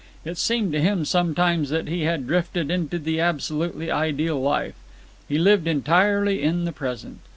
It seemed to him sometimes that he had drifted into the absolutely ideal life. He lived entirely in the present.